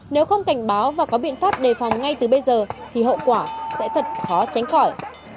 nếu không cảnh báo và có biện pháp đề phòng ngay từ bây giờ thì hậu quả sẽ thật khó tránh khỏi